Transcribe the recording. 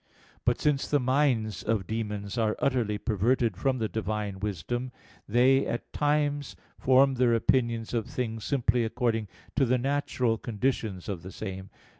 But since the minds of demons are utterly perverted from the Divine wisdom, they at times form their opinions of things simply according to the natural conditions of the same.